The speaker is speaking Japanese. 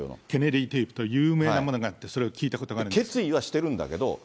ケネディテープという有名なものがあって、それを聞いたことがあるんですけど。